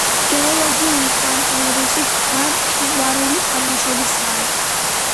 გეოლოგიური თვალსაზრისით, ტბა მყინვარული წარმოშობისაა.